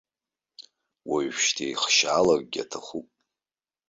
Уажәшьҭа еихшьалакгьы аҭахуп.